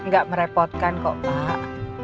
gak merepotkan kok pak